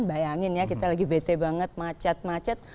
bayangin ya kita lagi bete banget macet macet